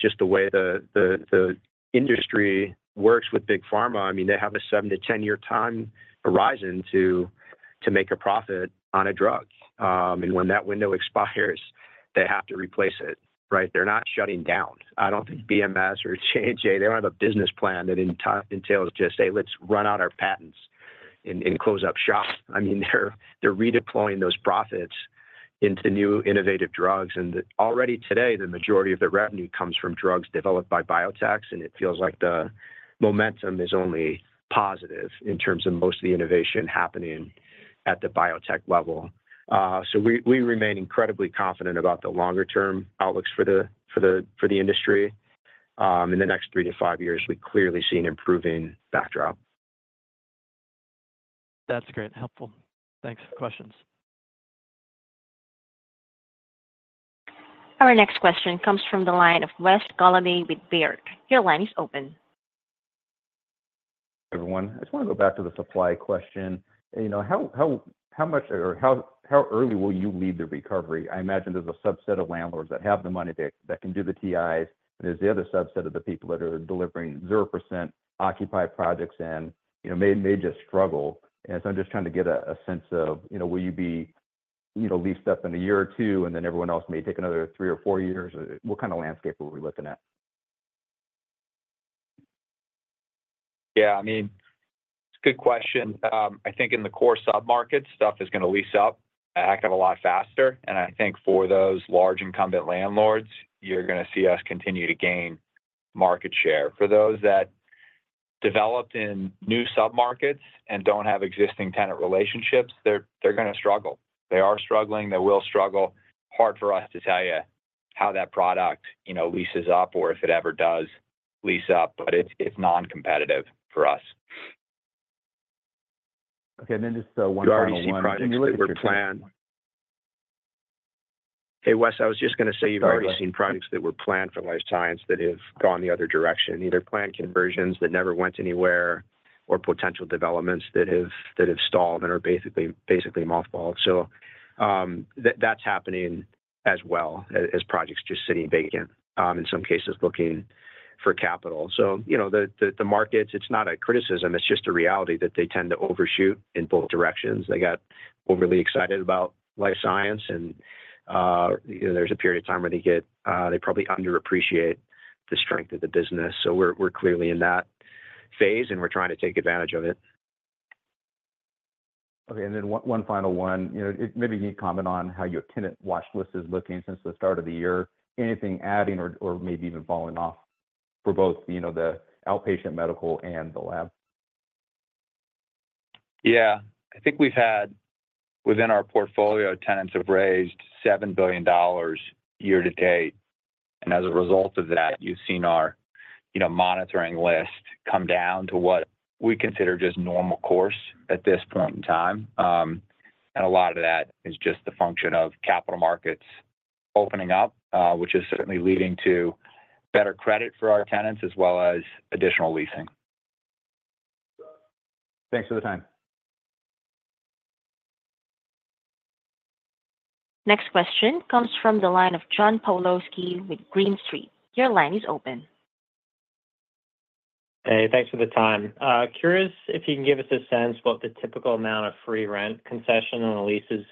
just the way the industry works with big pharma, I mean, they have a seven to ten year time horizon to make a profit on a drug. And when that window expires, they have to replace it, right? They're not shutting down. I don't think BMS or JNJ, they don't have a business plan that entails just say, "Let's run out our patents and close up shop." I mean, they're redeploying those profits into new innovative drugs, and already today, the majority of their revenue comes from drugs developed by biotechs, and it feels like the momentum is only positive in terms of most of the innovation happening at the biotech level. So we remain incredibly confident about the longer term outlooks for the industry. In the next three to five years, we clearly see an improving backdrop. That's great. Helpful. Thanks for the questions. Our next question comes from the line of Wes Golladay with Baird. Your line is open. Everyone, I just wanna go back to the supply question. You know, how much or how early will you lead the recovery? I imagine there's a subset of landlords that have the money that can do the TIs, and there's the other subset of the people that are delivering zero% occupied projects and, you know, may just struggle. And so I'm just trying to get a sense of, you know, will you be, you know, leased up in a year or two, and then everyone else may take another three or four years? What kind of landscape are we looking at? Yeah, I mean, it's a good question. I think in the core sub-markets, stuff is gonna lease up and rent out a lot faster, and I think for those large incumbent landlords, you're gonna see us continue to gain market share. For those that developed in new sub-markets and don't have existing tenant relationships, they're gonna struggle. They are struggling, they will struggle. Hard for us to tell you how that product, you know, leases up or if it ever does lease up, but it's non-competitive for us. Okay, and then just, one final one- You already see projects that were planned... Hey, Wes, I was just gonna say, you've already seen projects that were planned for life science that have gone the other direction, either planned conversions that never went anywhere or potential developments that have stalled and are basically mothballed. So, that's happening as well as projects just sitting vacant, in some cases, looking for capital. So, you know, the markets, it's not a criticism, it's just a reality that they tend to overshoot in both directions. They got overly excited about life science and, you know, there's a period of time where they get, they probably underappreciate the strength of the business. So we're clearly in that phase, and we're trying to take advantage of it. Okay, and then one final one. You know, maybe can you comment on how your tenant watch list is looking since the start of the year? Anything adding or maybe even falling off for both, you know, the outpatient medical and the lab? Yeah. I think we've had, within our portfolio, tenants have raised $7 billion year to date. And as a result of that, you've seen our, you know, monitoring list come down to what we consider just normal course at this point in time. And a lot of that is just the function of capital markets opening up, which is certainly leading to better credit for our tenants as well as additional leasing. Thanks for the time. Next question comes from the line of John Pawlowski with Green Street. Your line is open. Hey, thanks for the time. Curious if you can give us a sense what the typical amount of free rent concession on the leases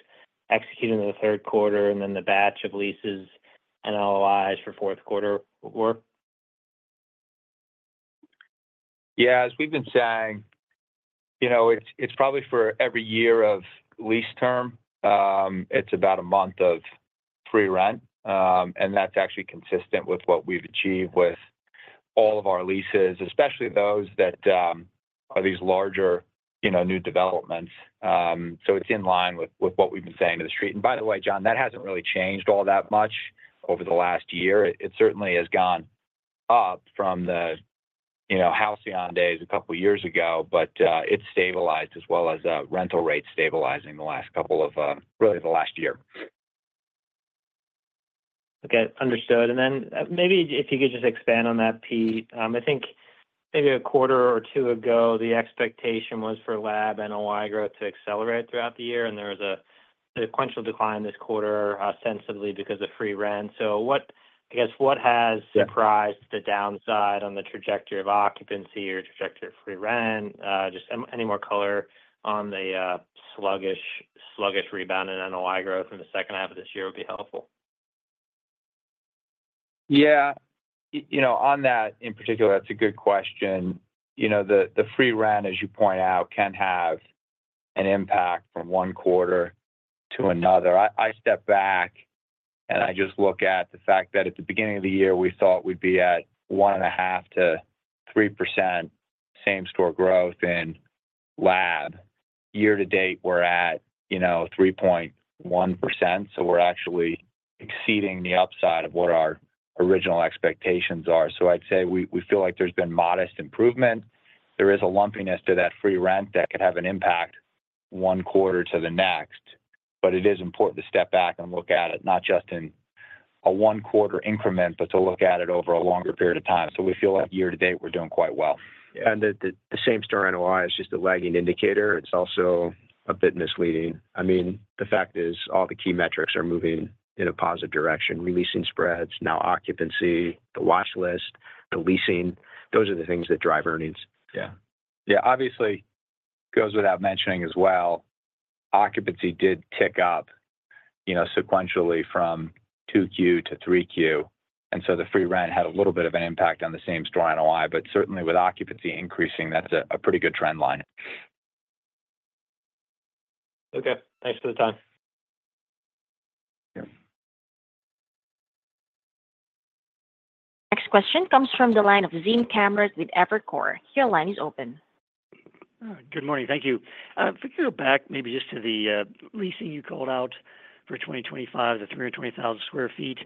executed in the third quarter, and then the batch of leases and NOIs for fourth quarter were? Yeah, as we've been saying, you know, it's probably for every year of lease term, it's about a month of free rent. And that's actually consistent with what we've achieved with all of our leases, especially those that are these larger, you know, new developments. So it's in line with what we've been saying to the street. And by the way, John, that hasn't really changed all that much over the last year. It certainly has gone up from the, you know, halcyon days a couple of years ago, but it's stabilized as well as rental rates stabilizing the last couple of really the last year. Okay, understood. And then, maybe if you could just expand on that, Pete. I think maybe a quarter or two ago, the expectation was for lab NOI growth to accelerate throughout the year, and there was a sequential decline this quarter, sensibly because of free rent. So what... I guess, what has surprised the downside on the trajectory of occupancy or trajectory of free rent? Just any more color on the sluggish rebound in NOI growth in the second half of this year would be helpful. Yeah. You know, on that in particular, that's a good question. You know, the, the free rent, as you point out, can have an impact from one quarter to another. I step back, and I just look at the fact that at the beginning of the year, we thought we'd be at 1.5%-3% same-store growth in lab. Year to date, we're at, you know, 3.1%, so we're actually exceeding the upside of what our original expectations are. So I'd say we, we feel like there's been modest improvement. There is a lumpiness to that free rent that could have an impact one quarter to the next, but it is important to step back and look at it, not just in a one quarter increment, but to look at it over a longer period of time. We feel like year to date, we're doing quite well. The same-store NOI is just a lagging indicator. It's also a bit misleading. I mean, the fact is, all the key metrics are moving in a positive direction, re-leasing spreads, new occupancy, the watch list, the leasing, those are the things that drive earnings. Yeah. Yeah, obviously, goes without mentioning as well, occupancy did tick up, you know, sequentially from 2Q to 3Q, and so the free rent had a little bit of an impact on the same-store NOI. But certainly with occupancy increasing, that's a pretty good trend line. Okay, thanks for the time. Yeah. Next question comes from the line of Samir Khanal with Evercore. Your line is open. Good morning. Thank you. If we go back maybe just to the leasing you called out for 2025, the 320,000 sq ft.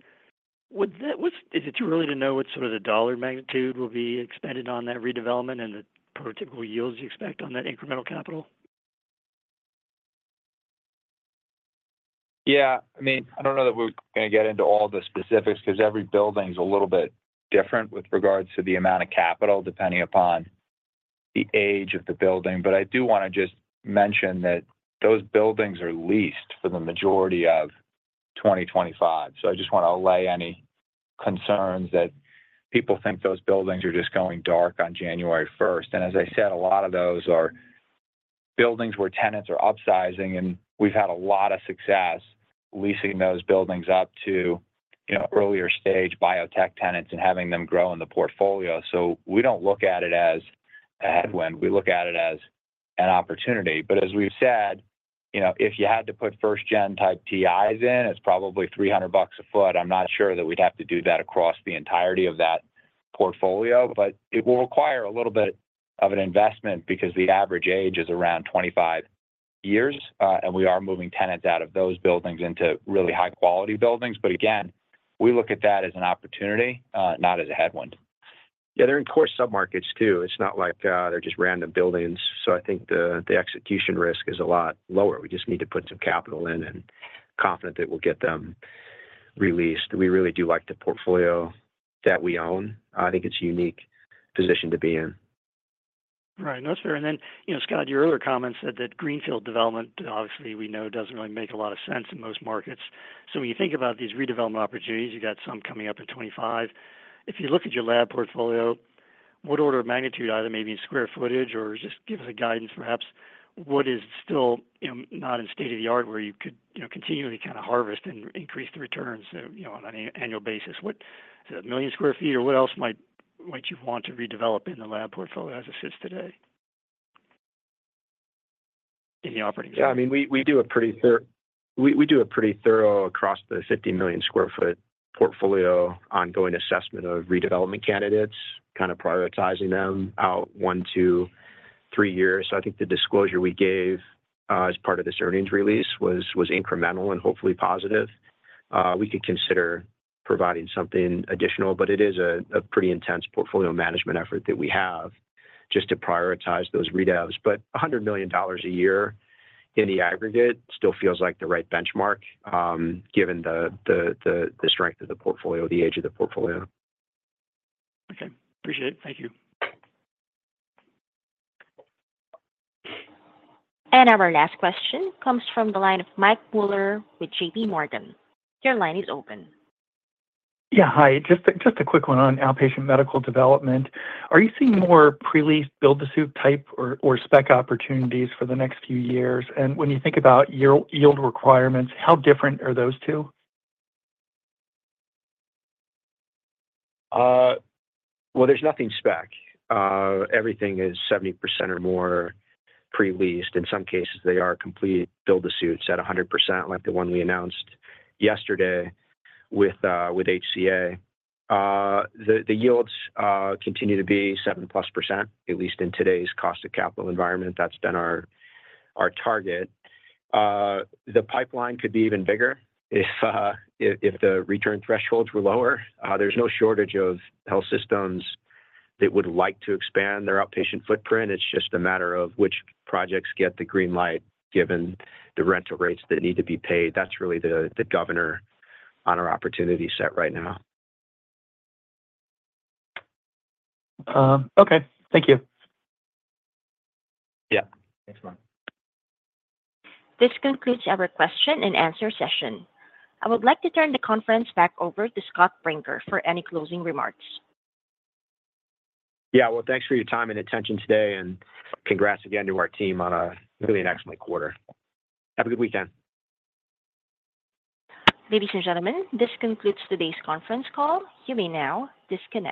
Is it too early to know what sort of the dollar magnitude will be expended on that redevelopment and the particular yields you expect on that incremental capital? Yeah. I mean, I don't know that we're gonna get into all the specifics, 'cause every building's a little bit different with regards to the amount of capital, depending upon the age of the building. But I do wanna just mention that those buildings are leased for the majority of twenty twenty-five. So I just wanna allay any concerns that people think those buildings are just going dark on January first. And as I said, a lot of those are buildings where tenants are upsizing, and we've had a lot of success leasing those buildings out to, you know, earlier stage biotech tenants and having them grow in the portfolio. So we don't look at it as a headwind, we look at it as an opportunity. But as we've said, you know, if you had to put first gen type TIs in, it's probably $300 a foot. I'm not sure that we'd have to do that across the entirety of that portfolio, but it will require a little bit of an investment because the average age is around 25 years, and we are moving tenants out of those buildings into really high quality buildings, but again, we look at that as an opportunity, not as a headwind. Yeah, they're in core submarkets too. It's not like they're just random buildings. So I think the execution risk is a lot lower. We just need to put some capital in and confident that we'll get them released. We really do like the portfolio that we own. I think it's a unique position to be in. Right, no, that's fair. And then, you know, Scott, your earlier comments said that greenfield development, obviously, we know, doesn't really make a lot of sense in most markets. So when you think about these redevelopment opportunities, you got some coming up in 2025. If you look at your lab portfolio, what order of magnitude, either maybe in square footage or just give us a guidance, perhaps, what is still, you know, not in state-of-the-art where you could, you know, continually kind of harvest and increase the returns, you know, on an annual basis? What, is it a million square feet, or what else might, might you want to redevelop in the lab portfolio as it sits today? In the operating- Yeah, I mean, we do a pretty thorough across the 50 million sq ft portfolio, ongoing assessment of redevelopment candidates, kind of prioritizing them out one to three years. So I think the disclosure we gave as part of this earnings release was incremental and hopefully positive. We could consider providing something additional, but it is a pretty intense portfolio management effort that we have just to prioritize those redevs. But $100 million a year in the aggregate still feels like the right benchmark, given the strength of the portfolio, the age of the portfolio. Okay. Appreciate it. Thank you. Our last question comes from the line of Mike Mueller with JP Morgan. Your line is open. Yeah, hi. Just a quick one on outpatient medical development. Are you seeing more pre-leased build-to-suit type or spec opportunities for the next few years? And when you think about yield requirements, how different are those two? Well, there's nothing spec. Everything is 70% or more pre-leased. In some cases, they are complete build-to-suits at 100%, like the one we announced yesterday with HCA. The yields continue to be 7% plus, at least in today's cost of capital environment. That's been our target. The pipeline could be even bigger if the return thresholds were lower. There's no shortage of health systems that would like to expand their outpatient footprint. It's just a matter of which projects get the green light, given the rental rates that need to be paid. That's really the governor on our opportunity set right now. Okay. Thank you. Yeah. Thanks, Mike. This concludes our question and answer session. I would like to turn the conference back over to Scott Brinker for any closing remarks. Yeah, well, thanks for your time and attention today, and congrats again to our team on a really excellent quarter. Have a good weekend. Ladies and gentlemen, this concludes today's conference call. You may now disconnect.